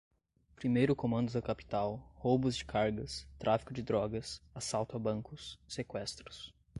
Primeiro Comando da Capital, roubos de cargas, tráfico de drogas, assaltos a bancos, sequestros